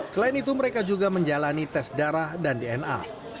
selain itu mereka juga menjalani tes darah dan dna